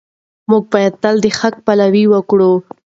موږ باید تل د حق پلوي وکړو.